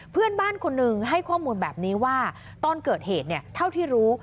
เพื่อนบ้านคนหนึ่งให้ข้อมูลแบบนี้ว่าตอนเกิดเหตุเนี่ยเท่าที่รู้